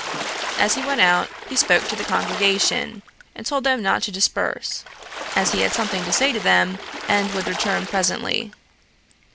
As he went out, he spoke to the congregation, and told them not to disperse, as he had something to say to them, and would return presently.